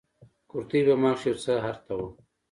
کورتۍ په ما کښې يو څه ارته وه.